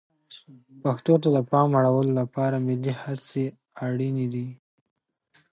پښتو ته د پام اړولو لپاره ملي هڅې اړینې دي.